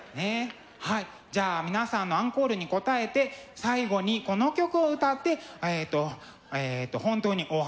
じゃあ皆さんのアンコールに応えて最後にこの曲を歌って本当にお別れしたいと思います。